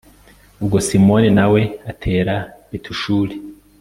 ubwo simoni na we atera betishuri